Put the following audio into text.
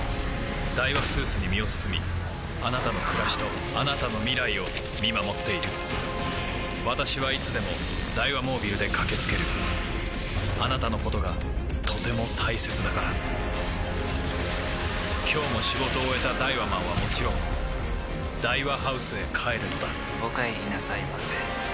ダイワスーツに身を包みあなたの暮らしとあなたの未来を見守っている私はいつでもダイワモービルで駆け付けるあなたのことがとても大切だから今日も仕事を終えたダイワマンはもちろんダイワハウスへ帰るのだお帰りなさいませ。